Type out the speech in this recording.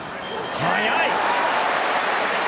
速い！